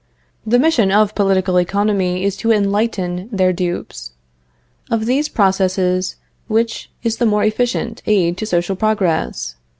The mission of political economy is to enlighten their dupes. Of these two processes, which is the more efficient aid to social progress?